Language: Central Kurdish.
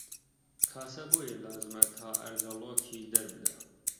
کاسە بۆیە لازمە تا ئاردەڵۆکی دەربدا